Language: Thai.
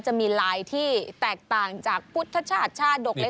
จะมีลายที่แตกต่างจากพุทธชาติชาดกอะไร